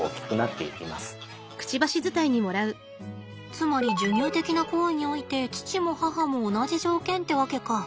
つまり授乳的な行為において父も母も同じ条件ってわけか。